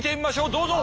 どうぞ！